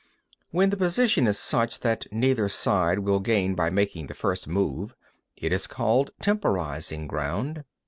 6. When the position is such that neither side will gain by making the first move, it is called temporising ground.